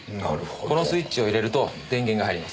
このスイッチを入れると電源が入ります。